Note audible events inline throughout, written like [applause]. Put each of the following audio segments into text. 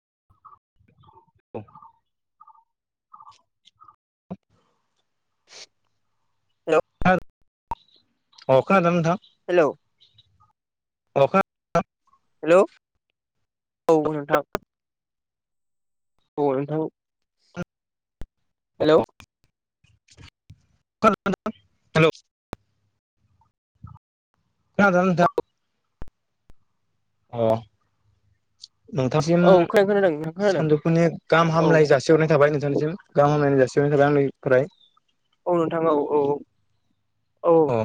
[inaudible] [inaudible] Hello. अ खोनादोना नोंथां? हेलौ। [unintelligible] हेलौ औ नोंथां। अ नोंथां हेलौ। खोनादों [unintelligible] हेलौ खोनादोंना नोंथां? अ नोंथांसिम औ खोनादों खोनादों नोंथां खोनादों सानदोफुनि गाहाम औ हामलाय जासिहरनाय थाबाय नोंथांनिसिम गाहाम हामलायनाय जासि सिनाय थाबाय आंनिफ्राय। औ नोंथां औ औ औ। अ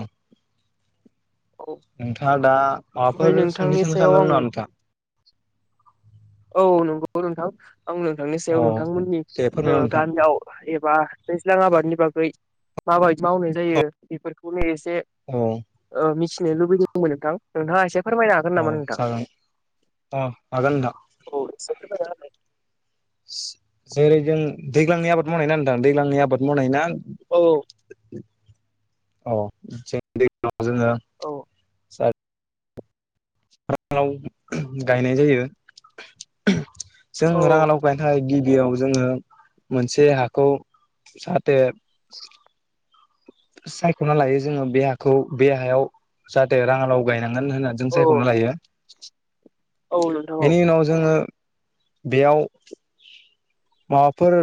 औ नोंथाङा दा ओमफ्राय माबाफोर सोंनो नोंथांनि सोंनो सायाव सानदोंमोन आं नामा नोंथां? औ नंगौ नोंथां आं नोंथांनि सायाव अ नोंथांमोननि दे ओ फोरमायहर नोंथां गामियाव एबा दैज्लां आबादनि आबादनि बागै मा बादि मावनाय जायो बेफोरखौनो एस से औ ओ मिथिनो लुबैदोंमोनमोन नोंथां नोंथाङा एसे फोरमायनो हागोन औ नामा नोंथां जागोन अ हागोन नोंथां। औ एसे फोरमायना होलाय। जेरै जों दैग्लांनि आबाद मावनाय ना नोंथां दैग्लांनि आबाद मावनाय ना औ अ जों जों औ [unintelligible] [unintelligible] गायनाय जायो [inaudible] जों रांडा औ लावगायनो थाखाय गिबियाव जोङो मोनसे हाखौ जाहाथे [inaudible] सायख'ना लायो जोङो बे हाखौ बे हायाव जाहाथे रांङा लाव गायनान थोन होननानै जों औ सायख'नो लायो औ नोंथां औ बेनि उनाव जोङो बेयाव माबाफोर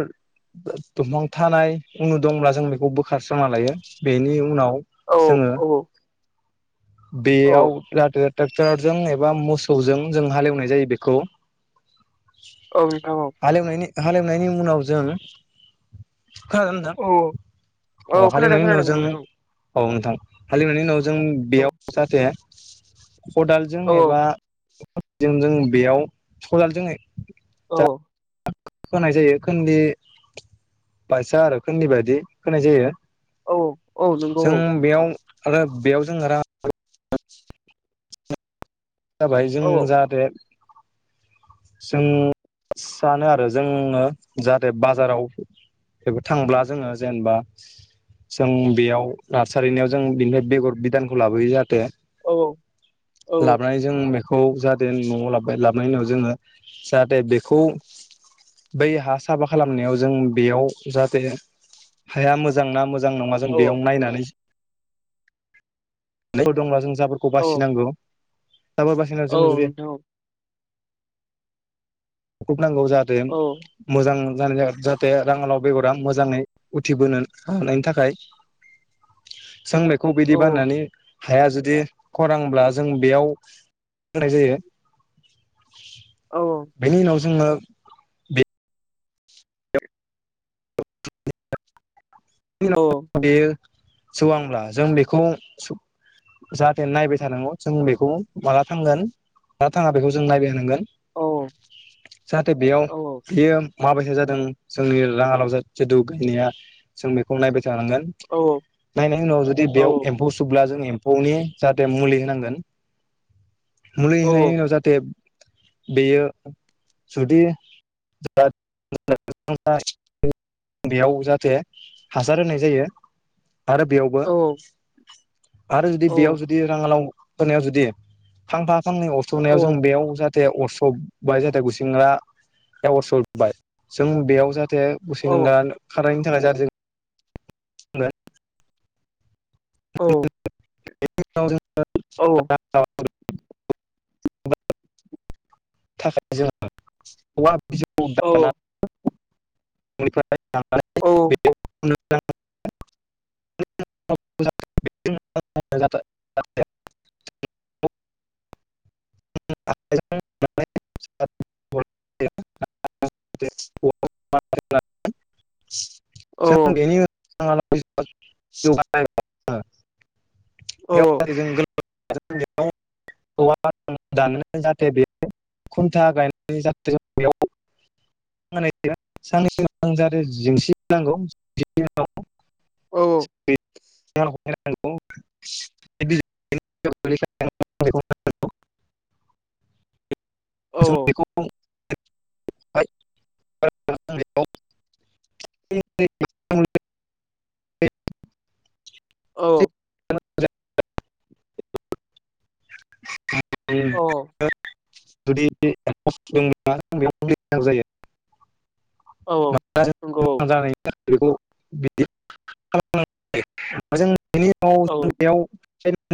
दंफां थानाय उनु दंब्ला जों बेखौ बोखारस्रांना लायो। बेनि उनाव औ जोङो औ औ बेयाव लाथो थेंक्टारजों एबा मौस सौजों जों हालेवनाय जायो बेखौ औ नोंथां औ हालेवनायनि हालेवनायनि उनाव जों खोनागोन औ नोंथां औ खोनादों हालिवनायनि उनाव खोनादों जों नोंथां औ नोंथां हालिवनायनि उनाव जों औ बेयाव जाहाथे खदालजों औ एबा जों जों बेयाव कदाल जोङै औ होनाय जायो खोन्दी बासा आरो खोन्दी बायदि होनाय जायो। औ औ नंगौ जों औ बेयाव आरो बेयाव जों आरो [unintelligible] जाबाय औ जों जाहाथे जों सानो आरो जोङो जाहाथे बाजाराव बेफोर थांब्ला जोङो जेनेबा जों बेयाव नारसारिनायाव जों बेनिफ्राय बेगर बिदानखौ लाबोयो जाहाथे औ औ लाबोनानै जों बेखौ जाहाथे न'आव लाबो लाबोनायनि उनाव जोङो जाहाथे बेखौ बै हा साफा खालामनायाव जों बेयाव जाहाथे हाया मोजांना मोजां मोां ना जों औ बेयाव नायनानै द जों [unintelligible] फुसाफोरखौ औ बासिनांगौ [unintelligible] दाबा बासिना औ जों जुदि नोंथां नांगौ जाहाथे औ मोजां जानाय जागोन जाहाथे राङालाव बेगरा मोजाङै उथिबोनो हानायनि थाखाय जों बेखौ बिदि औ बाननानै हाया जुदि खरांब्ला जों बेयावनाय जायो औ बेनि उनाव जोङो बे [unintelligible] [inaudible] बेनि औ बेयो सौ आांब्ला जों बेखौ [unintelligible] जाहाथे नायबाय थानांगौ जों बेखौ माला थांगोन ना थाङा बेखौ जों नायबाय थानांगोन। औ जाहाथे बेयाव बेयो माबायदि जादों जोंनि राङालाव जेदु गायनाया जों बेखौ नायबाय औ औ नायनि उनाव जु बेयाव औ एम्ौ सुबोब्ला ज [unintelligible] बौनि जाहाथे मुलि होनांगोन मुलि होनायनि उनाव जाहाथे बेयो जुदि बेयाव जाहाथे हास हासार होनाय जायो आरो बेयावबो आरो जुदि बेयाव जुदि राङालाव होनायाव जुदि फांफा फांनै अरथ'नायाव जों बेयाव जाहाथ जाहाथे अरसबबाय जाहाथे गुसिंग्रा एवर्सरबाय जों बेयाव जाहाथे जाहाथे औ बुसें खनायनि थाखाय जों औ [unintelligible] थाखाय जोंहा औवा बिजौखौ दान औ [unintelligible] [unintelligible] [unintelligible] [unintelligible] [unintelligible] [unintelligible] [unintelligible] [unintelligible] [unintelligible] औ [unintelligible] [unintelligible] [unintelligible] [unintelligible] औ [unintelligible] [unintelligible] [unintelligible] [unintelligible] बेनि नंगौ उनाव बेयाव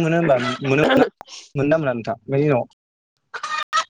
मोनो होनबा मोनो औ मोना मोनदा मोना नोंथाङां [unintelligible]